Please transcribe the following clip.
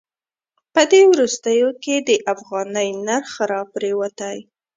په دې وروستیو کې د افغانۍ نرخ راپریوتی.